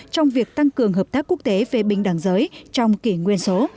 trong việc tăng cường hợp tác quốc tế về binh đảng giới trong kỳ nguyên số